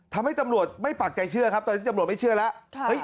ทำให้ตำรวจไม่ปากใจเชื่อครับตอนนี้ตำรวจไม่เชื่อแล้ว